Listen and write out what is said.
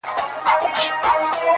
• چي پر چا غمونه نه وي ورغلي ,